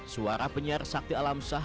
suara penyiar sakti alam sah